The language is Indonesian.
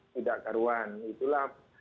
tidak karuan itulah